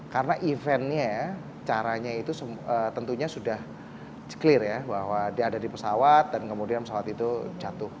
karena eventnya caranya itu tentunya sudah clear ya bahwa dia ada di pesawat dan kemudian pesawat itu jatuh